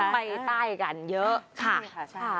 ไปใต้กันเยอะค่ะใช่